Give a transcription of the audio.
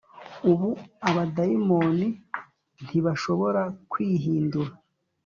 Ubu abadayimoni ntibashobora kwihindura